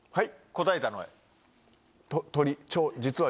答えたのは？